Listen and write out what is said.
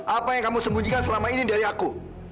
apa yang kamu sembunyikan selama ini dari aku